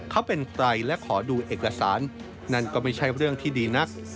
เขาเป็นใครและขอดูเอกสารนั่นก็ไม่ใช่เรื่องที่ดีนัก